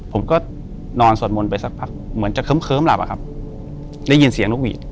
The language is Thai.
ผมก็นอนสวดมนต์ไปสักพักเหมือนจะเคิ้มหลับอะครับได้ยินเสียงนกหวีด